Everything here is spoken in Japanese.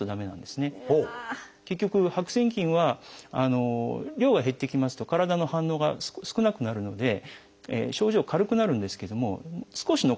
結局白癬菌は量が減ってきますと体の反応が少なくなるので症状軽くなるんですけども少し残ってるんですね。